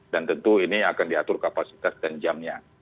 dan tentu ini akan diatur kapasitas dan jamnya